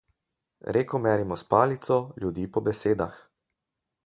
Reko merimo s palico, ljudi po besedah.